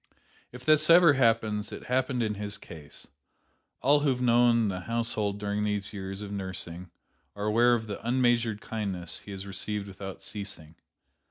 If this ever happens, it happened in his case. All who have known the household during these years of nursing are aware of the unmeasured kindness he has received without ceasing.